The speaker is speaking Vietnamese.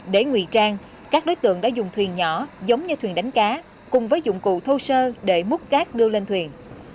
để nguy trang các đối tượng đã dùng thuyền nhỏ giống như thuyền đánh cá cùng với dụng cụ thô sơ để múc cát đưa lên thuyền